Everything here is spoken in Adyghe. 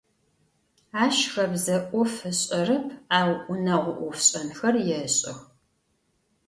Aş xebze 'of ış'erep, au vuneğo 'ofş'enxer yêş'ex.